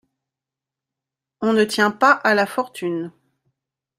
On ne tient pas à la fortune.